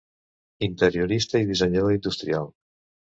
Interiorista i dissenyador industrial.